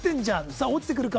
さあ落ちてくるか？